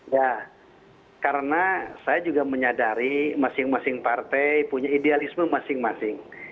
ya karena saya juga menyadari masing masing partai punya idealisme masing masing